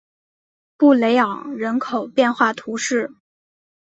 布雷昂人口变化图示